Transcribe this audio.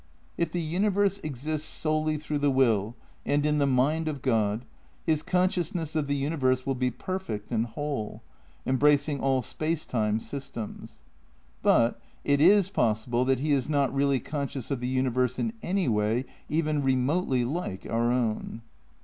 If the universe exists solely through the will and in the mind of God, his consciousness of the universe will be perfect and whole, embracing all space time systems. But, it is possible that he is not really conscious of the universe in any way even remotely like our own.